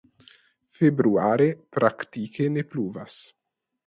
Februare praktike ne pluvas.